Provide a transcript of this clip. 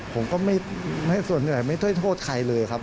ผมก็ไม่ส่วนใหญ่ไม่ค่อยโทษใครเลยครับ